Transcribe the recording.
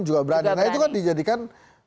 juga berani nah itu kan dijadikan